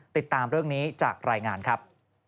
ติดตามเรื่องนี้จากรายงานครับ